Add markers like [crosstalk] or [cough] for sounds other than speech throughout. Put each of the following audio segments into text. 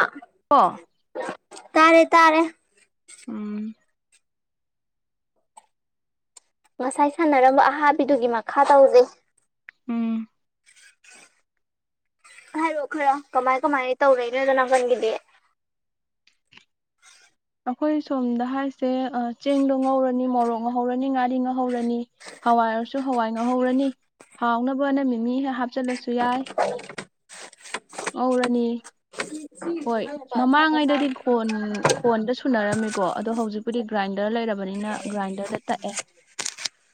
ꯑꯥ ꯍ ꯇꯥꯔꯦ ꯇꯥꯔꯦ ꯎꯝ ꯉꯁꯥꯏ ꯁꯥꯟꯅꯔꯝꯕ ꯑꯍꯥꯕꯤꯗꯨꯒꯤ ꯃꯈꯥ ꯇꯧꯖꯩ ꯎꯝ ꯍꯥꯏꯔꯣ ꯈꯔ ꯀꯃꯥꯏ ꯀꯃꯥꯏꯅ ꯇꯧꯔꯏ ꯅꯣꯏꯗꯣꯅꯥꯀꯟꯒꯤꯗꯤ ꯑꯩꯈꯣꯏ ꯁꯣꯝꯗ ꯍꯥꯏꯁꯦ ꯆꯦꯡꯗꯣ ꯉꯧꯔꯅꯤ ꯃꯣꯔꯣꯛ ꯉ ꯍꯧꯧꯔꯅꯤ ꯉꯥꯔꯤ ꯉꯥꯍꯧꯔꯅꯤ ꯍꯋꯥꯏꯔꯁꯨ ꯍꯋꯥꯏ ꯉꯧꯍꯧꯔꯅꯤ ꯍꯥꯎꯅꯕ ꯍꯣꯠꯅ ꯃꯤꯅꯤ ꯍꯦꯛ ꯍꯥꯞꯆꯤꯜꯂꯁꯨ ꯌꯥꯏ ꯉꯧꯔꯅꯤ ꯍꯣꯏ ꯃꯃꯥꯡꯉꯩꯗꯗꯤ ꯀꯣꯟ ꯈꯣꯟꯗ ꯁꯨꯅꯔꯝꯃꯤꯀꯣ ꯑꯗꯣ ꯍꯧꯖꯤꯛꯄꯨꯗꯤ ꯒ꯭ꯔꯥꯏꯟꯗꯔ ꯂꯩꯔꯕꯅꯤꯅ ꯒ꯭ꯔꯥꯏꯟꯗꯔꯗ ꯇꯛꯑꯦ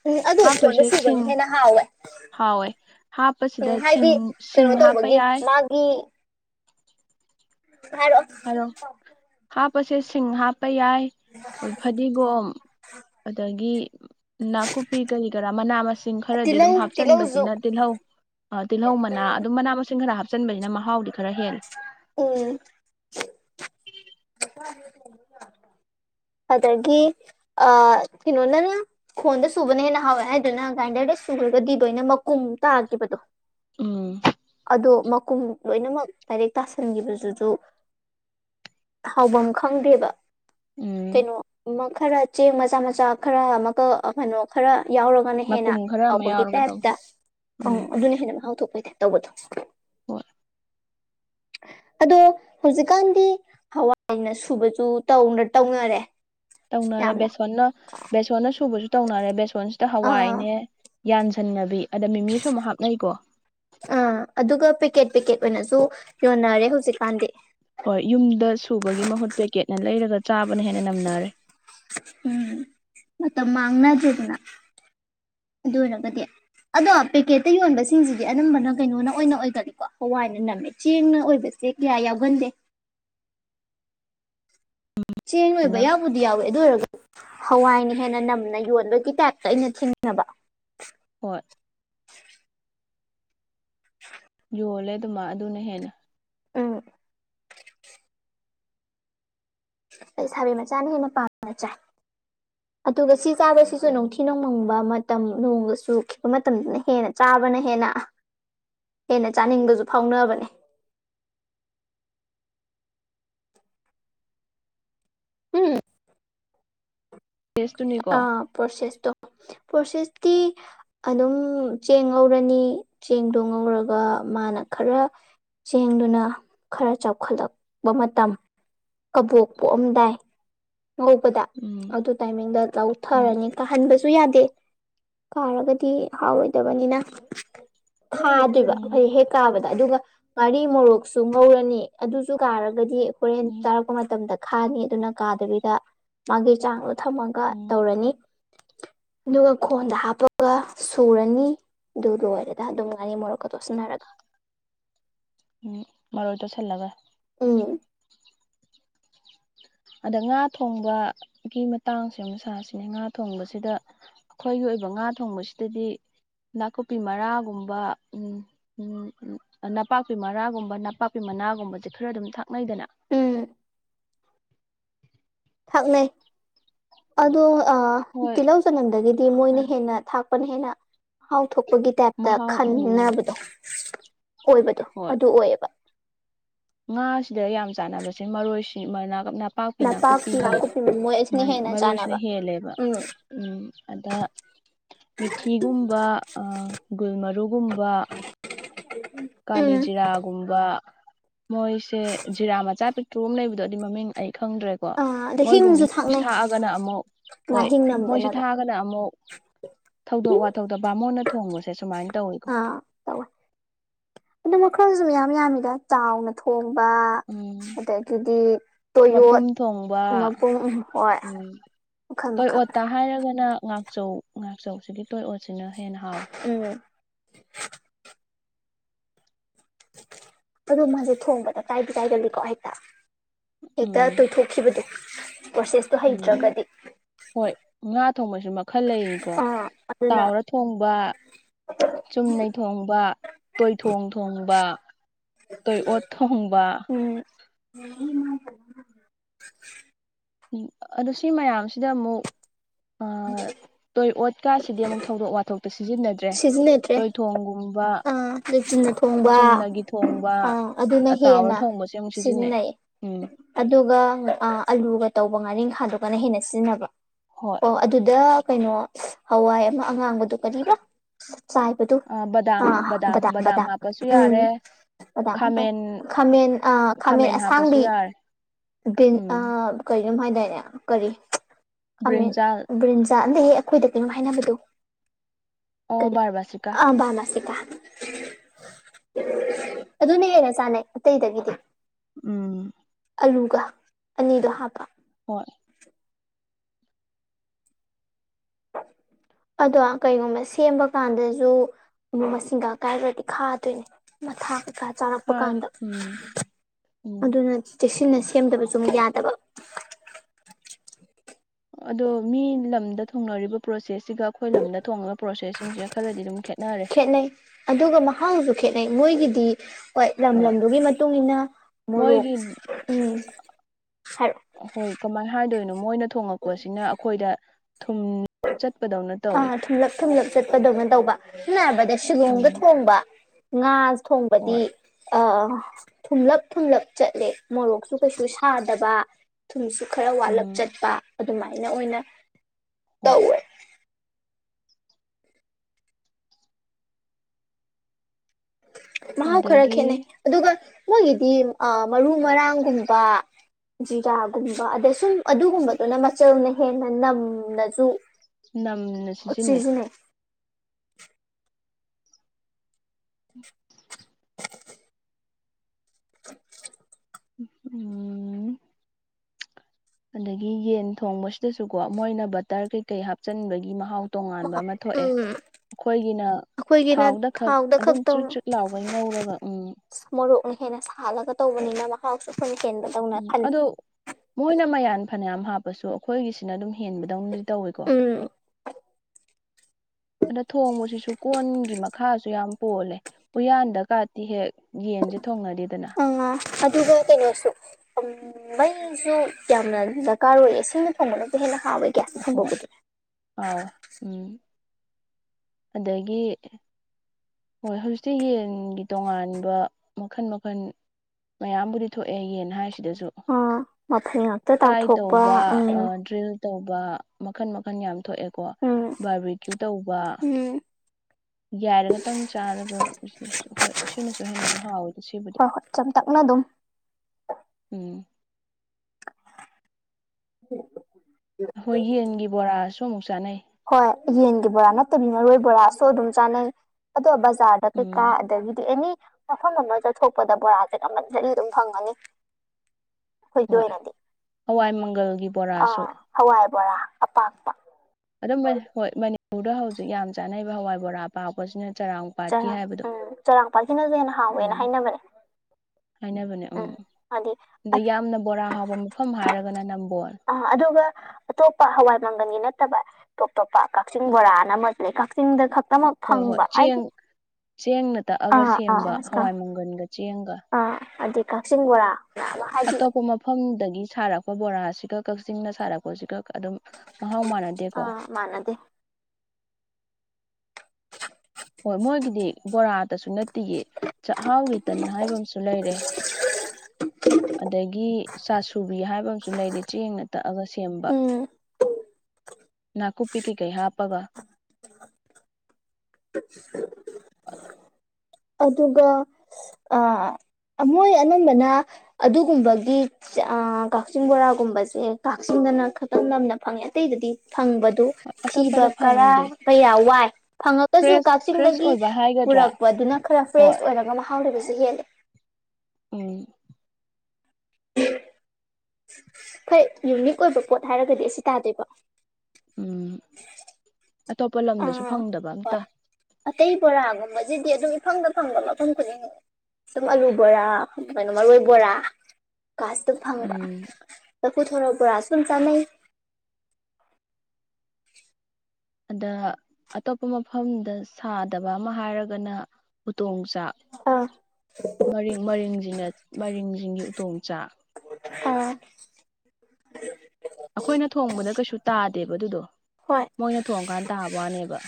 ꯎꯝ ꯑꯗꯨ ꯁꯣꯟꯗꯦ ꯍꯥꯞꯇꯣꯏꯁꯦ ꯁꯤꯡ ꯁꯤꯒꯅ ꯍꯦꯟꯅ ꯍꯥꯎꯋꯦ ꯍꯥꯎꯋꯦ ꯎꯝ ꯍꯥꯞꯄꯁꯤꯗ ꯁꯤꯡ ꯍꯥꯏꯗꯤ ꯁꯤꯡ ꯀꯩꯅꯣ ꯍꯥꯞꯄ ꯇꯧꯕꯒꯤ ꯌꯥꯏ ꯃꯥꯒꯤ ꯍꯥꯏꯔꯣ ꯍꯂꯣ ꯍꯥꯞꯄꯁꯦ ꯁꯤꯡ ꯍꯥꯞꯄ ꯌꯥꯏ ꯍꯣꯏ ꯐꯗꯤꯒꯣꯝꯝ ꯑꯗꯒꯤ ꯅꯥꯀꯨꯞꯄꯤ ꯀꯔꯤ ꯀꯔꯥ ꯃꯅꯥ ꯃꯁꯤꯡ ꯆꯤꯡ ꯈꯔꯗꯤ ꯑꯗꯨꯝ ꯇꯤꯜꯍꯧ ꯇꯤꯜꯍꯧꯁꯨ ꯍꯥꯞꯆꯤꯟꯕꯁꯤꯅ ꯇꯤꯜꯍꯧ ꯇꯤꯜꯍꯧ ꯃꯅꯥ ꯑꯗꯨꯝ ꯃꯅꯥ ꯃꯁꯤꯡ ꯈꯔ ꯍꯥꯞꯆꯤꯟꯕꯁꯤꯅ ꯃꯍꯥꯎꯗꯤ ꯈꯔ ꯍꯦꯜꯜꯂꯤꯦ ꯎꯝ [unintelligible] ꯑꯗꯨꯗꯒꯤ ꯑ ꯏꯩꯅꯣꯅꯅ ꯈꯣꯟꯗ ꯁꯨꯕꯅ ꯍꯦꯟꯅ ꯍꯥꯎꯋꯦ ꯍꯥꯏꯗꯨꯅ ꯀꯥꯏꯗꯔꯗ ꯁꯨꯔꯒꯗꯤꯗ ꯑꯩꯅ ꯃꯀꯨꯝ ꯇꯥꯈꯤꯕꯗꯣ ꯎꯝ ꯑꯗꯣ ꯃꯈꯀꯨꯝ ꯂꯣꯏꯅꯃꯛ ꯍꯥꯏꯔꯦꯛ ꯇꯥꯁꯟꯈꯤꯕꯗꯨꯁꯨ ꯍꯥꯎꯐꯝ ꯈꯪꯗꯦꯕ ꯎꯝ ꯀꯩꯅꯣ ꯈꯔ ꯆꯦꯡ ꯃꯆꯥ ꯃꯆꯥ ꯈꯔ ꯑꯃꯀ ꯀꯩꯅꯣ ꯈꯔ ꯌꯥꯎꯔꯒ ꯃꯥꯅ ꯍꯦꯟꯅ ꯃꯀꯨꯝ ꯈꯔ ꯑꯃ ꯍꯥꯎꯕꯒꯤ ꯌꯥꯎꯔꯒ ꯇꯧꯋꯦ ꯇꯥꯏꯞꯇ ꯎ ꯎꯝ ꯑꯗꯨꯅ ꯍꯦꯟꯅ ꯃꯍꯥꯎ ꯊꯣꯛꯄꯒꯤ ꯇꯥꯏꯞ ꯇꯧꯕꯗꯣ ꯍꯣꯏ ꯑꯗꯣ ꯍꯧꯖꯤꯛꯀꯥꯟꯗꯤ ꯍꯋꯥꯏꯅ ꯁꯨꯕꯁꯨꯅ ꯇꯧꯅꯔꯦ ꯇꯧꯅꯔꯦ ꯌꯥꯝꯅ ꯕꯦꯁꯣꯟꯅ ꯕꯦꯁꯣꯟꯅ ꯁꯨꯕꯁꯨ ꯇꯧꯅꯔꯦ ꯕꯦꯁꯣꯟꯁꯤꯗ ꯑꯥ ꯍꯋꯥꯏꯅꯦ ꯌꯥꯟꯁꯤꯟꯅꯕꯤ ꯑꯗ ꯃꯤꯃꯤꯁꯨꯨꯝ ꯍꯥꯞꯅꯩꯀꯣ ꯑꯥ ꯑꯗꯨꯒ ꯄꯦꯀꯦꯠ ꯄꯦꯀꯦꯠ ꯑꯣꯏꯅꯁꯨ ꯌꯣꯟꯅꯔꯦ ꯍꯧꯖꯤꯛꯀꯥꯟꯗꯤ ꯍꯣꯏ ꯌꯨꯝꯗ ꯁꯨꯕꯒꯤ ꯃꯍꯨꯠ ꯄꯦꯀꯦꯠꯅ ꯂꯩꯔꯒ ꯆꯥꯕꯅ ꯍꯦꯟꯅ ꯅꯝꯅꯔꯦ ꯎꯝ ꯃꯇꯝ ꯃꯥꯡꯅꯗ꯭ꯔꯦꯗꯅ ꯑꯗꯨ ꯑꯣꯏꯔꯒꯗꯤ ꯑꯗꯣ ꯄꯦꯀꯦꯠꯇ ꯌꯣꯟꯕꯁꯤꯡꯁꯤꯗꯤ ꯑꯅꯝꯕꯅ ꯀꯩꯅꯣꯅ ꯑꯣꯏꯅ ꯑꯣꯏꯒꯜꯂꯤꯀꯣ ꯍꯋꯥꯏꯅ ꯅꯝꯃꯦ ꯆꯦꯡꯅ ꯑꯣꯏꯕꯁꯦ ꯌꯥ ꯌꯥꯎꯒꯟꯗꯦ ꯁꯤꯅ ꯆꯦꯡꯕꯌꯥ ꯕꯨꯗꯤ ꯌꯥꯎꯋꯦ ꯑꯗꯨ ꯑꯣꯏꯔꯒꯁꯨ ꯍꯋꯥꯏꯅ ꯍꯦꯟꯅ ꯅꯝꯅ ꯌꯣꯟꯕ ꯇ ꯇꯥꯏꯞꯇꯣ ꯑꯩꯅ ꯊꯦꯡꯉꯕ ꯍꯣꯏ ꯌꯣꯜꯂꯦ ꯑꯗꯨꯃ ꯑꯗꯨꯅ ꯍꯦꯟꯅ ꯑꯥ ꯂꯩꯁꯥꯕꯤ ꯃꯆꯥꯅ ꯍꯦꯟꯅ ꯄꯥꯝꯅ ꯆꯥꯏ ꯑ ꯑꯗꯨꯒ ꯁꯤ ꯆꯥꯕꯁꯤꯁꯨ ꯅꯨꯡꯊꯤ ꯅꯣꯡꯃꯪꯕ ꯃꯇꯝ ꯅꯣꯡꯗꯁꯨ ꯈꯤꯠꯄ ꯃꯇꯝꯗꯅ ꯍꯦꯟꯅ ꯆꯥꯕꯅ ꯍꯦꯟꯅ ꯍꯝ ꯍꯦꯟꯅ ꯆꯥꯅꯤꯡꯕꯁꯨ ꯐꯥꯎꯅꯕꯅꯦ ꯎꯝ ꯇꯦꯁꯇꯨꯅꯤꯀꯣ ꯑ ꯄ꯭ꯔꯣꯁꯦꯁꯇ ꯄ꯭ꯔꯣꯁꯦꯁꯗꯤ ꯑꯗꯨꯝ ꯆꯦꯡ ꯉꯧꯔꯅꯤ ꯆꯦꯡꯗꯣ ꯉꯧꯔꯒ ꯃꯥꯅ ꯈꯔ ꯆꯦꯡꯗꯨꯅ ꯈꯔ ꯆꯥꯎꯈꯠꯂꯛꯄ ꯃꯇꯝ ꯀꯕꯣꯛ ꯄꯣꯛꯑꯝꯗꯥꯏ ꯉꯧꯕꯗ ꯎꯝ ꯑꯗꯨ ꯇꯥꯏꯃꯤꯡꯗ ꯎꯝ ꯂꯧꯊꯔꯅꯤ ꯀꯥꯍꯟꯕꯁꯨ ꯌꯥꯗꯦ ꯀꯥꯔꯒꯗꯤ ꯍꯥꯎꯔꯣꯏꯗꯕꯅꯤꯅ ꯈꯥꯗꯕ ꯎꯝ ꯍꯦꯛ ꯀꯥꯕꯗ ꯑꯗꯨꯒ ꯉꯥꯔꯤ ꯃꯣꯔꯣꯛꯁꯨ ꯉꯧꯔꯅꯤ ꯑꯗꯨꯁꯨ ꯀꯥꯔꯒꯗꯤ ꯎꯝ ꯍꯣꯔꯦꯟꯥꯔꯛꯄ ꯀꯄ ꯃꯇꯝꯗ ꯈꯥꯅꯤ ꯑꯗꯨꯅ ꯀꯥꯗꯕꯤꯗ ꯃꯥꯒꯤ ꯆꯥꯡꯗꯣ ꯊꯝꯃꯒ ꯎꯝ ꯇꯧꯔꯅꯤ ꯑꯗꯨꯒ ꯈꯣꯟꯗ ꯍꯥꯞꯄꯒ ꯁꯨꯔꯅꯤ ꯑꯗꯨ ꯂꯣꯏꯔꯦꯗ ꯑꯗꯨꯝ ꯉꯥꯅꯤ ꯃꯣꯔꯣꯛꯀ ꯇꯣꯁꯤꯟꯅꯔꯒ ꯎꯝ ꯃꯔꯣꯏ ꯇꯧꯁꯤꯜꯂꯒ ꯎꯝ ꯑꯗ ꯉꯥ ꯊꯣꯡꯕꯒꯤ ꯃꯇꯥꯡꯁꯦ ꯑꯃꯨ ꯃ ꯁꯥꯁꯤꯅꯦ ꯉꯥ ꯊꯣꯡꯕꯁꯤꯗ ꯑꯩꯈꯣꯏꯒꯤ ꯑꯣꯏꯕ ꯉꯥ ꯊꯣꯡꯕꯁꯤꯗꯗꯤ ꯅꯥꯀꯨꯞꯄꯤ ꯃꯔꯥꯒꯨꯝꯕ ꯎ ꯎꯝ ꯅꯄꯥꯛꯄꯤ ꯃꯔꯥꯒꯨꯝꯕ ꯅꯄꯥꯛꯄꯤ ꯃꯅꯥꯒꯨꯝꯕꯁꯦ ꯈꯔ ꯑꯗꯨꯝ ꯊꯛꯅꯩꯗꯅ ꯎꯝ ꯊꯥꯛꯅꯩ ꯑꯗꯣ ꯍꯣꯏ ꯇꯤꯜꯍꯧ ꯆꯅꯝꯗꯒꯤꯗꯤ ꯃꯣꯏꯅ ꯍꯦꯟꯅ ꯊꯥꯛ ꯍꯅ ꯍꯥꯎ ꯊꯣꯛꯄꯒꯤ ꯇꯥꯏꯞꯇ ꯃꯍꯥꯎ ꯎꯝ ꯈꯟꯅꯕꯗꯣ ꯑꯣꯏꯕꯗꯣ ꯍꯣꯏ ꯑꯗꯨ ꯑꯣꯏꯌꯦꯕ ꯉꯥꯁꯤꯗ ꯌꯥꯝ ꯆꯥꯟꯅꯕꯁꯦ ꯃꯔꯣꯏꯁꯤ ꯃꯅꯥꯀ ꯄꯥꯛꯄꯤ ꯅꯄꯥꯛꯄꯤ ꯅꯥꯀꯨꯞꯄꯤꯒꯤ ꯅꯥꯀꯨꯞꯄꯤ ꯃꯣꯏ ꯑꯁꯤꯅ ꯍꯦꯟꯅ ꯃꯔꯣꯏꯁꯤꯅ ꯆꯥꯟꯅꯕ ꯍꯦꯜꯂꯦꯕ ꯎꯝ ꯑꯗ ꯃꯤꯊꯤꯒꯨꯝꯕ ꯒꯨꯜ ꯃꯔꯨꯒꯨꯝꯕ ꯀꯥꯂꯤ ꯎꯝ ꯖꯤꯔꯥꯒꯨꯝꯕ ꯃꯣꯏꯁꯦ ꯖꯤꯔꯥ ꯃꯆꯥ ꯄꯤꯛ ꯔꯣꯝ ꯂꯩꯕꯗꯣ ꯑꯗꯨꯗꯤ ꯃꯃꯤꯡ ꯑꯩ ꯈꯪꯗ꯭ꯔꯦ ꯀ ꯑꯥ ꯑꯗ ꯃꯣꯏꯒꯨꯝ ꯍꯤꯡꯁꯨ ꯊꯥꯛꯅꯩ ꯊꯥꯛꯑꯒꯅ ꯑꯃꯨꯛ ꯍꯣꯏ ꯉꯥꯍꯤꯡ ꯃꯣꯏꯁꯤ ꯅꯝꯗꯅꯕ ꯊꯥꯛꯑꯒꯅ ꯑꯃꯨꯛ ꯊꯧꯗꯣꯛ ꯋꯥꯊꯧꯗ ꯕꯥꯃꯣꯟꯅ ꯊꯣꯡꯕꯁꯦ ꯁꯨꯃꯥꯏꯅ ꯇꯧꯋꯤꯀꯣ ꯑ ꯃ ꯃꯈꯈ ꯈꯁꯨꯏ ꯌꯥꯝꯃꯤ ꯌꯥ ꯌꯥꯝꯃꯤꯗ ꯆꯥꯎꯅ ꯊꯣꯡꯕ ꯎꯝ ꯑꯗꯒꯤꯗꯤ ꯃꯄꯨꯝ ꯇꯣꯌꯣꯠ ꯊꯣꯡꯕ ꯃꯄꯨꯡ ꯍꯣꯏ ꯎꯝ ꯃꯈꯜ ꯇꯣꯏ ꯃꯈꯜ ꯑꯣꯠꯇ ꯍꯥꯏꯔꯒꯅ ꯉꯥꯆꯧ ꯉꯥꯛꯆꯧꯁꯤꯒꯤ ꯇꯣꯏꯠ ꯑꯣꯠꯁꯤꯅ ꯍꯦꯟꯅ ꯍꯥꯎꯋꯤ ꯎꯝ ꯑꯣ ꯃꯥꯁꯦ ꯊꯣꯡꯕꯗ ꯀꯥꯏꯗꯤ ꯀꯥꯏꯒꯜꯂꯤꯀꯣ ꯍꯦꯛꯇ ꯍꯦꯛꯇ ꯎꯝ ꯇꯣꯏꯊꯣꯛ ꯈꯤꯕꯗꯨꯣ ꯄ꯭ꯔꯣꯁꯦꯁꯇꯣ ꯎꯝ ꯍꯩꯇ꯭ꯔꯒꯗꯤ ꯍꯣꯏ ꯉꯥ ꯊꯣꯡꯕꯁꯨ ꯃꯈꯜ ꯂꯩꯅꯤꯀꯣ ꯑꯥ ꯑꯗꯨꯅ ꯇꯥꯎꯔ ꯊꯣꯡꯕ ꯆꯨꯝꯅꯩ ꯊꯣꯡꯕ ꯇꯣꯏꯊꯣꯡ ꯊꯣꯡꯕ ꯇꯣꯏ ꯑꯣꯠ ꯊꯣꯡꯕ ꯎꯝ [inaudible] ꯑꯣ ꯁꯤ ꯃꯌꯥꯝꯁꯤꯗ ꯑꯃꯨꯛ ꯇꯣꯏ ꯑꯣꯠꯀꯁꯤꯗꯤ ꯑꯃꯨꯛ ꯊꯧꯗꯣꯛ ꯋꯥꯊꯣꯛ ꯁꯤꯖꯤꯟꯅꯗ꯭ꯔꯦ ꯁꯤꯖꯤꯟꯅꯗ꯭ꯔꯦ ꯇꯣꯏꯊꯣꯡꯒꯨꯝꯕ ꯑꯥ ꯂꯦꯛꯆꯤꯟꯅ ꯊꯣꯡꯕ ꯆꯨꯝꯅꯒꯤ ꯊꯣꯡꯕ ꯑꯥ ꯑꯗꯨꯅ ꯑꯇꯥꯋꯔ ꯍꯦꯟꯅ ꯊꯣꯡꯕꯁꯦ ꯑꯃꯨꯛ ꯁꯤꯖꯤꯟꯅꯩ ꯎꯝ ꯑꯗꯨꯒ ꯑꯂꯨꯒ ꯇꯧꯕ ꯉꯥꯔꯤꯈꯥꯗꯨꯒꯅ ꯍꯦꯟꯅ ꯁꯤꯖꯤꯟꯅꯕ ꯍꯣꯏ ꯑꯣ ꯑꯗꯨꯗ ꯀꯩꯅꯣ ꯍꯋꯥꯏ ꯑꯃ ꯑꯉꯥꯡꯕꯗꯣ ꯀꯔꯤꯔꯤꯕꯥ ꯆꯥꯏꯕꯗꯨ ꯕꯗꯥꯝ ꯕꯗꯥꯝ ꯑꯥ ꯕꯗꯥꯝ ꯗꯥꯝꯗꯥꯝ ꯍꯥꯞꯄꯁꯨ ꯎꯝ ꯌꯥꯔꯦ ꯀꯗꯥꯝ ꯍꯥꯞꯄ ꯈꯥꯃꯦꯟ ꯈꯥꯃꯦꯟ ꯈꯥꯃꯦꯟ ꯍꯥꯞꯄꯁꯨ ꯑꯁꯥꯡꯕꯤ ꯌꯥꯔꯦ ꯕꯤꯟ ꯎꯝ ꯀꯔꯤꯅꯣꯝ ꯍꯥꯏꯗꯏꯅꯦ ꯀꯔꯤ ꯈꯥꯃꯤ ꯕ꯭ꯔꯤꯟꯖꯥꯜ ꯕ꯭ꯔꯤꯟꯖꯥ ꯑꯟꯗ ꯍꯦꯛ ꯑꯩꯈꯣꯏꯗ ꯀꯔꯤꯣꯝ ꯍꯥꯏꯅꯕꯗꯨꯣ ꯑꯣ ꯀꯔꯤ ꯕꯥꯔꯕꯥꯁꯤꯀꯥ ꯑ ꯕꯥ ꯃꯥꯁꯤꯀ ꯑꯗꯨꯅꯦ ꯍꯦꯟꯅ ꯆꯥꯟꯅꯩ ꯑꯇꯩꯗꯒꯤꯗꯤ ꯎꯝ ꯑꯂꯨꯒ ꯑꯅꯤꯗꯣ ꯍꯥꯞꯄ ꯍꯣꯏ ꯑꯗꯣ ꯀꯩꯒꯨꯝꯕ ꯁꯦꯝꯕ ꯀꯥꯟꯗꯁꯨ ꯎꯨ ꯃꯁꯤꯡꯒ ꯀꯥꯏꯈ꯭ꯔꯗꯤ ꯈꯥꯗꯣꯏꯅꯦ ꯃꯊꯥ ꯀꯀꯥ ꯆꯥꯔꯛꯄ ꯈꯥꯏ ꯀꯥꯟꯗ ꯎꯝ ꯎꯝ ꯑꯗꯨꯅ ꯆꯦꯛꯁꯤꯟꯅ ꯁꯦꯝꯗꯕꯁꯨ ꯌꯥꯗꯕ ꯑꯗꯣ ꯃꯤ ꯂꯝꯗ ꯊꯣꯡꯅꯔꯤꯕ ꯄ꯭ꯔꯣꯁꯦꯁꯁꯤꯒ ꯑꯩꯈꯣꯏ ꯂꯝꯗ ꯊꯣꯡꯉꯕ ꯄ꯭ꯔꯣꯁꯦꯁꯁꯤꯡꯁꯤꯒ ꯈꯔꯗꯤ ꯑꯗꯨꯝ ꯈꯦꯠꯅꯩ ꯈꯦꯠꯅꯩ ꯑꯗꯨꯒ ꯃꯍꯥꯎꯁꯨ ꯈꯦꯅꯩ ꯃꯣꯏꯒꯤꯗꯤ ꯍꯣꯏ ꯂꯝ ꯂꯝꯗꯨꯒꯤ ꯃꯇꯨꯡ ꯏꯟꯅ ꯃꯣꯔꯣꯛ ꯃꯣꯏꯒꯤ ꯎꯝ ꯍꯥꯏꯔꯛ ꯍꯣꯏ ꯀꯃꯥꯏꯅ ꯍꯥꯏꯗꯣꯏꯅꯣ ꯃꯣꯏꯅ ꯊꯣꯉꯛꯄꯁꯤꯅ ꯑꯩꯈꯣꯏꯗ ꯊꯨꯝ ꯆꯠꯄꯗꯧꯅ ꯇꯧꯋꯦ ꯑꯥ ꯊꯨꯝꯂꯞ ꯊꯨꯝꯂꯞ ꯆꯠꯄꯗꯧꯅ ꯇꯧꯕ ꯁꯝꯅ ꯍꯥꯏꯔꯕꯗ ꯁꯤꯂꯣꯡꯗ ꯎꯝ ꯊꯣꯡꯕ ꯉꯥ ꯊꯣꯡꯕꯗꯤ ꯍꯣꯏ ꯑ ꯊꯨꯝꯂꯞ ꯊꯨꯝꯂꯞ ꯆꯠꯂꯦ ꯃꯣꯔꯣꯛꯁꯨ ꯀꯩꯁꯨ ꯁꯥꯗꯕ ꯊꯨꯝꯁꯨ ꯈꯔ ꯋꯥꯠꯂꯞ ꯎꯝ ꯆꯠꯄ ꯑꯗꯨꯃꯥꯏꯅ ꯑꯣꯏꯅ ꯍꯣꯏ ꯇꯧꯋꯦ ꯃꯍꯥꯎ ꯈꯔ ꯑꯗꯒꯤ ꯈꯦꯠꯅꯩ ꯑꯗꯨꯒ ꯃꯣꯏꯒꯤꯗꯤ ꯃꯔꯨ ꯃꯔꯥꯡꯒꯨꯝꯕ ꯖꯤꯔꯥꯒꯨꯝꯕ ꯑꯗ ꯁꯨꯝ ꯑꯗꯨꯒꯨꯝꯕꯗꯨꯅ ꯃꯆꯜꯅ ꯍꯦꯟꯅ ꯅꯝꯅꯁꯨ ꯅꯝꯅ ꯁꯤꯁꯤꯟꯅꯅꯦ ꯁꯤꯁꯤꯅꯦ ꯎꯝ ꯑꯗꯒꯤ ꯌꯦꯟ ꯊꯣꯡꯕꯁꯤꯗꯁꯨ ꯀꯣ ꯃꯣꯏꯅ ꯕꯇꯔ ꯀꯩ ꯀꯩ ꯍꯥꯞꯆꯤꯟꯕꯒꯤ ꯃꯍꯥꯎ ꯇꯣꯉꯥꯟꯕ ꯑꯃ ꯊꯣꯛꯑꯦ ꯎꯝ ꯑꯩꯈꯣꯏꯒꯤꯅ ꯑꯩꯈꯣꯏꯒꯤꯅ ꯊꯥꯎꯗ ꯈꯛ ꯑꯗꯨꯝ ꯈꯛꯇꯧ ꯆꯤꯛ ꯆꯤꯛ ꯂꯥꯎꯕ ꯉꯧꯔꯒ ꯎꯝ ꯃꯣꯔꯣꯛꯅ ꯍꯦꯟꯅ ꯁꯥꯜꯂꯒ ꯇꯧꯕꯅꯤꯅ ꯃꯍꯥꯎꯁꯨ ꯐꯅ ꯍꯦꯟꯕ ꯇꯧꯅ ꯎꯝ ꯈꯜꯂꯤ ꯑꯗꯣ ꯃꯣꯏꯅ ꯃꯌꯥꯟ ꯐꯅꯌꯥꯝ ꯍꯥꯞꯄꯁꯨ ꯑꯩꯈꯣꯏꯒꯤꯁꯤꯅ ꯑꯗꯨꯝ ꯍꯦꯟꯕꯗꯧꯅꯗꯤ ꯇꯧꯏꯦꯀꯣ ꯎꯝ ꯑꯗ ꯊꯣꯡꯕꯁꯤꯁꯨ ꯀꯣꯟꯒꯤ ꯃꯈꯥꯁꯨ ꯌꯥꯝ ꯄꯣꯜꯂꯦ ꯎꯌꯥꯟꯗ ꯀꯥꯇꯤ ꯍꯦꯛ ꯌꯦꯟꯁꯦ ꯊꯣꯡꯅꯔꯤꯗꯅ ꯑꯗꯨꯒ ꯀꯩꯅꯣꯁꯨ ꯃꯩꯁꯨ ꯌꯥꯝꯅ ꯗꯔꯀꯥꯔ ꯑꯣꯏꯌꯦꯁꯅ ꯊꯅꯗꯤꯦ ꯍꯦꯅ ꯍꯥꯎꯕꯒꯌꯥꯁ ꯍꯣꯏ ꯊꯪꯝꯕꯕꯨꯗꯔꯦ ꯍꯥꯎꯋꯦ ꯎꯝ ꯑꯗꯒꯤ ꯍꯣꯏ ꯍꯧꯖꯤꯛꯇꯤ ꯌꯦꯟꯒꯤ ꯇꯣꯉꯥꯟꯕ ꯃꯈꯜ ꯃꯈꯜ ꯃꯌꯥꯝꯕꯨꯗꯤ ꯊꯣꯛꯑꯦ ꯌꯦꯅ ꯍꯥꯏꯁꯤꯗꯁꯨ ꯑꯥ ꯃꯐꯩ ꯉꯥꯛꯇ ꯐ꯭ꯔꯥꯏ ꯇꯥꯎꯊꯣꯛꯄ ꯇꯧꯕ ꯎꯝ ꯗ꯭ꯔꯤꯜ ꯇꯧꯕ ꯃꯈꯟ ꯃꯈꯟ ꯌꯥꯝ ꯊꯣꯛꯑꯦꯕ ꯀꯣ ꯎꯝ ꯕꯥꯔꯕꯤꯀ꯭ꯌꯨ ꯇꯧꯕ ꯎꯝ ꯌꯥꯏꯔꯒ ꯈꯤꯇꯪ ꯆꯥꯔꯕ ꯍꯣꯏ ꯁꯤꯅꯁꯨ ꯍꯦꯟꯅꯁꯨ ꯍꯥꯎꯋꯦꯗ ꯁꯤꯕꯨꯗꯤ ꯍꯣꯏ ꯍꯣꯏ ꯆꯝꯇꯛꯅ ꯑꯗꯨꯝ ꯎꯝ [unintelligible] ꯍꯣꯏ ꯌꯦꯟꯒꯤ ꯕꯣꯔꯥꯁꯨ ꯑꯃꯨꯛ ꯆꯥꯅꯩ ꯍꯣꯏ ꯌꯦꯟꯒꯤ ꯕꯣꯔꯥ ꯅꯠꯇꯕꯤ ꯃꯔꯣꯏ ꯕꯣꯔꯥꯁꯨ ꯑꯗꯨꯝ ꯆꯥꯅꯩ ꯑꯣꯗꫭ ꯕꯥꯖ ꯖꯥꯔꯗ ꯀꯩꯀꯥ ꯎꯝ ꯑꯗꯒꯤꯗꯤ ꯑꯦꯅꯤ ꯃꯐꯝ ꯑꯃ ꯆꯠꯊꯣꯛꯄꯗ ꯕꯣꯔꯥꯁꯦ ꯀꯝꯄꯟꯁꯔꯤ ꯑꯗꯨꯝ ꯐꯪꯉꯅꯤ ꯍꯣꯏ ꯍꯋꯥꯏ ꯃꯪꯒꯜꯒꯤ ꯕꯣꯔꯥꯁꯨ ꯑꯥ ꯍꯋꯥꯏ ꯕꯣꯔꯥ ꯑꯄꯥꯛꯄ ꯑꯗꯨꯝ ꯍꯣꯏ ꯃꯅꯤꯄꯨꯔꯗ ꯍꯧꯖꯤꯛ ꯌꯥꯝ ꯆꯥꯅꯔꯤꯕ ꯍꯋꯥꯏ ꯕꯣꯔꯥ ꯄꯥꯛꯄꯁꯤꯅ ꯆꯔꯥꯡ ꯄꯥꯠꯀꯤ ꯍꯥꯏꯕꯗꯣ ꯑꯗꯨꯅꯖꯨ ꯍꯦꯟꯅ ꯍꯥꯎꯋꯦꯅ ꯎꯝ ꯍꯥꯏꯅꯕꯅꯦ ꯍꯥꯏꯅꯕꯅꯦ ꯎꯝ ꯑꯗ ꯌꯥꯝꯅ ꯕꯣꯔꯥ ꯍꯥꯎꯕ ꯃꯐꯝ ꯍꯥꯏꯔꯒꯅ ꯅꯝꯕꯣꯜ ꯑ ꯑꯗꯨꯒ ꯑꯇꯣꯞꯄ ꯍꯋꯥꯏ ꯃꯪꯒꯜꯒꯤ ꯅꯠꯇꯕ ꯇꯣꯞ ꯇꯣꯞꯄ ꯀꯛꯆꯤꯡ ꯕꯣꯔꯥꯅ ꯑꯃꯁꯨ ꯂꯩ ꯀꯛꯆꯤꯡꯗ ꯈꯛꯇꯃꯛ ꯍꯣꯏ ꯍꯣꯏ ꯐꯪꯕ ꯍꯥꯏꯗꯤ ꯆꯦꯡ ꯆꯦꯡꯅ ꯇꯛꯑꯒ ꯑꯥ ꯑꯥ ꯁꯦꯝꯕ ꯑꯁꯀ ꯍꯋꯥꯏ ꯃꯪꯒꯟꯒ ꯆꯦꯡꯒ ꯑꯥ ꯑꯗꯨꯗꯤ ꯀꯛꯆꯤꯡ ꯕꯣꯔꯥ ꯑꯃ ꯍꯥꯏꯗꯤ ꯑꯇꯣꯞꯄ ꯃꯐꯝꯗꯒꯤ ꯁꯥꯔꯛꯄ ꯕꯣꯔꯥꯁꯤꯒ ꯀꯛꯆꯤꯡꯅ ꯁꯥꯔꯛꯄꯁꯤꯒ ꯑꯗꯨꯝ ꯃꯍꯥꯎ ꯃꯥꯟꯅꯗꯦꯀꯣ ꯃꯥꯅꯗꯦ ꯍꯣꯏ ꯃꯣꯏꯒꯤꯗꯤ ꯕꯣꯔꯥꯗꯁꯨ ꯅꯠꯇꯦꯒꯤ ꯆꯥꯛꯍꯥꯎꯒꯤ ꯇꯟ ꯍꯥꯏꯕ ꯑꯃꯁꯨ ꯂꯩꯔꯦ ꯑꯗꯒꯤ ꯆꯥꯁꯨꯕꯤ ꯍꯥꯏꯕ ꯑꯃꯁꯨ ꯂꯩꯔꯦ ꯆꯦꯡꯅ ꯇꯛꯑꯒ ꯁꯦꯝꯕ ꯎꯝ ꯅꯥꯀꯨꯞꯄꯤ ꯀꯩꯀꯩ ꯍꯥꯞꯄꯒ [inaudible] ꯑꯗꯨꯒ ꯃꯣꯏ ꯑꯅꯝꯕꯅ ꯑꯗꯨꯒꯨꯝꯕꯒꯤ ꯀꯛꯆꯤꯡ ꯕꯣꯔꯥꯒꯨꯝꯕꯁꯦ ꯀꯛꯆꯤꯡꯗꯅ ꯈꯤꯇꯪ ꯅꯝꯅ ꯐꯪꯉꯦ ꯑꯇꯩꯗꯗꯤ ꯐꯪꯕꯗꯨ ꯊꯤꯕ ꯑꯇꯣꯞꯄꯗ ꯈꯔ ꯐꯪꯗꯦ ꯀꯌꯥ ꯋꯥꯏ ꯐꯪꯉꯒꯁꯨ ꯐ꯭ꯔꯦꯁ ꯐ꯭ꯔꯦꯁ ꯀꯛꯆꯤꯡꯗꯒꯤ ꯑꯣꯏꯕ ꯍꯥꯏꯒꯗ꯭ꯔꯥ ꯄꯨꯔꯛꯄꯗꯨꯅ ꯈꯔ ꯍꯣꯏ ꯐ꯭ꯔꯦꯁ ꯑꯣꯏꯔꯒ ꯑꯃ ꯃꯍꯥꯎꯔꯤꯕꯁꯦ ꯍꯦꯜꯂꯦ ꯎꯝ ꯍꯣꯏ ꯌꯨꯅꯤꯛ ꯑꯣꯏꯕ ꯄꯣꯠ ꯍꯥꯏꯔꯒꯗꯤ ꯑꯁꯤ ꯇꯥꯗꯣꯏꯕ ꯎꯝ ꯑꯇꯣꯞꯄ ꯂꯝꯗꯁꯨ ꯑꯥ ꯐꯪꯗꯕ ꯑꯝꯇ ꯍꯣꯏ ꯑꯇꯩ ꯕꯣꯔꯥꯒꯨꯝꯕꯁꯤꯗꯤ ꯑꯗꯨꯝ ꯏꯐꯪꯗ ꯐꯪꯕ ꯃꯐꯝ ꯈꯨꯗꯤꯡ ꯑꯂꯨ ꯕꯣꯔꯥ ꯃꯔꯣꯏ ꯕꯣꯔꯥ ꯀꯥꯁꯇꯨ ꯐꯪꯕ ꯎꯝ ꯂꯐꯨ ꯊꯣꯔꯛ ꯕꯣꯔꯥꯁꯨ ꯑꯗꯨꯝ ꯆꯥꯅꯩ ꯑꯗ ꯑꯇꯣꯞꯄ ꯃꯐꯝꯗ ꯁꯥꯗꯕ ꯑꯃ ꯍꯥꯏꯔꯒꯅ ꯎꯗꯣꯡ ꯆꯥꯛ ꯑꯥ ꯃꯔꯤꯡ ꯃꯔꯤꯡꯁꯤꯅ ꯃꯔꯤꯡꯁꯤꯡꯒꯤ ꯎꯇꯣꯡ ꯆꯥꯛ ꯑꯥ ꯑꯩꯈꯣꯏꯅ ꯊꯣꯡꯕꯗ ꯀꯩꯁꯨ ꯇꯥꯗꯦꯕ ꯑꯗꯨꯗꯣ ꯍꯣꯏ ꯃꯣꯏꯅ ꯊꯣꯡꯀꯥꯟꯗ ꯇꯥꯕ ꯋꯥꯅꯦꯕ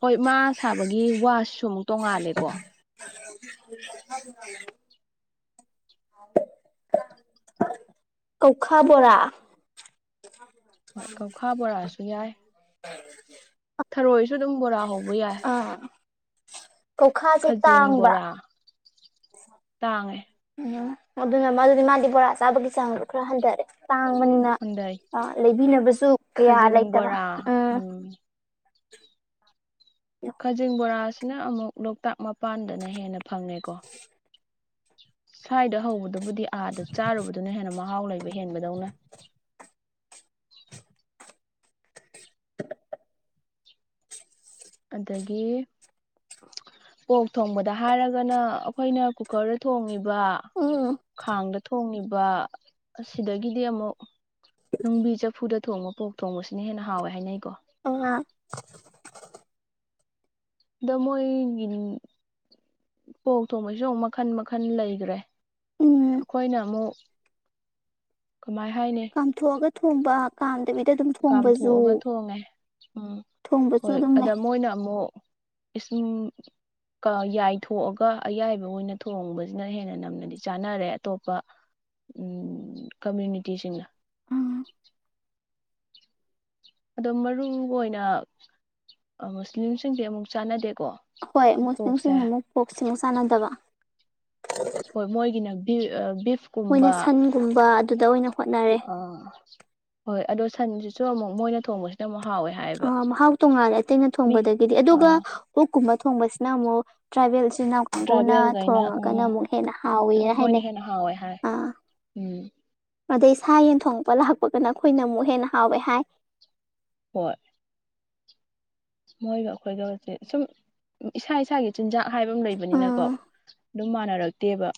ꯍꯣꯏ ꯃꯥ ꯁꯥꯕꯒꯤ ꯋꯥꯁꯤꯁꯨ ꯑꯃꯨꯛ ꯇꯣꯡꯉꯥꯜꯂꯦꯀꯣ [unintelligible] ꯀꯧꯈꯥ ꯕꫭꯔꯥ ꯍꯣꯏ ꯀꯧꯈꯥ ꯕꯣꯔꯥꯁꯨ ꯌꯥꯏ ꯊꯔꯣꯏꯁꯨ ꯑꯗꯨꯝ ꯕꯣꯔꯥ ꯍꯧꯕ ꯌꯥꯏ ꯈꯨꯈꯥꯁꯦ ꯈꯖꯤꯡ ꯇꯥꯡꯕ ꯕꯣꯔꯥ ꯇꯥꯡꯉꯦ ꯎꯝ ꯑꯗꯨꯅ ꯃꯗꯨꯗꯤ ꯃꯥꯗꯤ ꯕꯣꯔꯥ ꯆꯥꯕꯒꯤ ꯆꯥꯡꯗꯣ ꯈꯔ ꯍꯟꯊꯔꯦ ꯇꯥꯡꯕꯅꯤ ꯅ ꯍꯟꯗꯩ ꯑ ꯂꯩꯕꯤꯅꯕꯁꯨ ꯀꯌꯥ ꯈꯖꯤꯡ ꯂꯩꯇꯕ ꯕꯣꯔꯥ ꯎꯝ ꯈꯖꯤꯡ ꯕꯣꯔꯥꯁꯤꯅ ꯑꯃꯨꯛ ꯂꯣꯛꯇꯥꯛ ꯃꯄꯥꯟꯗꯅ ꯍꯦꯟꯅ ꯐꯪꯉꯦꯀꯣ ꯁ꯭ꯋꯥꯏꯗ ꯍꯧꯕꯗꯨꯕꯨꯗꯤ ꯑꯥꯗ ꯆꯥꯔꯨꯕꯗꯨꯅ ꯍꯦꯟꯅ ꯃꯍꯥꯎ ꯂꯩꯕ ꯍꯦꯟꯕꯗꯧꯅ [inaudible] ꯑꯗꯒꯤ ꯀꯣꯛ ꯊꯣꯡꯕꯗ ꯍꯥꯏꯔꯒꯅ ꯑꯩꯈꯣꯏꯅ ꯀꯨꯀꯔꯗ ꯊꯣꯡꯉꯕ ꯎꯝ ꯈꯥꯡꯗ ꯊꯣꯡꯉꯕ ꯑꯁꯤꯗꯒꯤꯗꯤ ꯑꯃꯨꯛ ꯅꯨꯡꯕꯤ ꯆꯐꯨꯗ ꯊꯣꯡꯕ ꯄꯣꯛ ꯊꯣꯡꯕꯁꯤꯅ ꯍꯦꯟꯅ ꯍꯥꯎꯋꯦ ꯍꯥꯏꯅꯩꯀꯣ ꯑꯣ ꯗꯃꯣꯏ ꯄꯣꯛ ꯊꯣꯡꯕꯩꯁꯨ ꯑꯃꯨꯛ ꯃꯈꯟ ꯃꯈꯟ ꯂꯩꯈ꯭ꯔꯦ ꯎꯝ ꯑꯩꯈꯣꯏꯅ ꯑꯃꯨꯛ ꯀꯃꯥꯏ ꯍꯥꯏꯅꯤ ꯆꯥꯝꯊꯣꯛꯑꯒ ꯊꯣꯡꯕ ꯀꯥꯝꯗꯕꯤꯗ ꯑꯗꯨꯝ ꯊꯣꯡꯕꯁꯨ ꯀꯥꯝꯊꯣꯛꯑꯒ ꯊꯣꯡꯉꯦ ꯎꯝ ꯊꯣꯡꯕꯁꯨ ꯍꯣꯏ ꯑꯗꯨꯝ ꯑꯗ ꯂꯩ ꯃꯣꯏꯅ ꯑꯃꯨꯛ ꯏꯁꯤꯡꯁꯤꯡ ꯌꯥꯏꯊꯣꯛꯑꯒ ꯑꯌꯥꯏꯕ ꯑꯣꯏꯅ ꯊꯣꯡꯕꯁꯤꯅ ꯍꯦꯟꯅ ꯅꯝꯅꯗꯤ ꯆꯥꯅꯔꯦ ꯑꯇꯣꯞꯄ ꯀꯝꯃ꯭ꯌꯨꯅꯤꯇꯤꯁꯤꯡꯅ ꯎꯝ ꯑꯗꯣ ꯃꯔꯨ ꯑꯣꯏꯅ ꯃꯨꯁꯂꯤꯝꯁꯤꯡꯗꯤ ꯑꯃꯨꯛ ꯆꯥꯟꯅꯗꯦꯀꯣ ꯍꯣꯏ ꯄꯣꯛꯁꯦ ꯃꯨꯁꯂꯤꯝꯁꯤꯡꯅ ꯑꯃꯨꯛ ꯐꯣꯛꯁꯤꯃꯨꯛ ꯆꯥꯟꯅꯗꯕ ꯍꯣꯏ ꯃꯣꯏꯒꯤꯅꯕꯤ ꯕꯤꯐ ꯃꯣꯏꯅ ꯁꯟꯒꯨꯝꯕ ꯑꯗꯨꯗ ꯑꯣꯏꯅ ꯍꯣꯠꯅꯔꯦ ꯑꯥ ꯍꯣꯏ ꯑꯗꯣ ꯁꯟꯁꯤꯁꯨ ꯑꯃꯨꯛ ꯃꯣꯏꯅ ꯊꯣꯡꯕꯁꯤꯅ ꯑꯃꯨꯛ ꯍꯥꯎꯋꯦ ꯍꯥꯏꯌꯦꯕ ꯃꯍꯥꯎ ꯇꯣꯡꯉꯥꯜꯂꯦ ꯑꯇꯩꯅ ꯃꯤ ꯊꯣꯡꯕꯗꯒꯤꯗꯤ ꯑꯗꯨꯒ ꯑꯥ ꯑꯣꯛ ꯀꯨꯝꯕ ꯊꯣꯡꯕꯁꯤꯅ ꯑꯃꯨꯛ ꯇ꯭ꯔꯥꯏꯕꯦꯜ ꯏꯆꯤꯜ ꯏꯅꯥꯎ ꯀꯥꯡꯒꯕꯨꯅ ꯇ꯭ꯔꯥꯏꯕꯦꯜꯈꯩꯅ ꯎꯝ ꯊꯣꯡꯉꯒꯅ ꯑꯃꯨꯛ ꯍꯦꯟꯅ ꯍꯥꯎꯋꯅ ꯃꯣꯏꯅ ꯍꯥꯏꯅꯩ ꯍꯦꯟꯅ ꯍꯥꯎꯋꯦ ꯍꯥꯏ ꯑ ꯎꯝ ꯑꯗꯩ ꯁꯥ ꯌꯦꯟ ꯊꯣꯡꯉꯛꯄ ꯂꯥꯛꯄꯒꯅ ꯑꯩꯈꯣꯏꯅ ꯑꯃꯨꯛ ꯍꯦꯟꯅ ꯍꯥꯎꯋꯦ ꯍꯥꯏ ꯍꯣꯏ ꯃꯣꯏꯒ ꯑꯩꯈꯣꯏꯒꯁꯦ ꯁꯨꯝ ꯏꯁꯥ ꯏꯁꯥꯒꯤ ꯆꯤꯟꯖꯥꯛ ꯍꯥꯏꯕ ꯑꯃ ꯎꯝ ꯂꯩꯕꯅꯤꯅꯀꯣ ꯃꯥꯟꯅꯔꯛꯇꯦꯕ